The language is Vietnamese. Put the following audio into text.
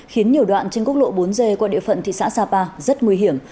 khiến nhiều đoạn trên quốc lộ bốn g qua địa phận thị xã sapa rất nguy hiểm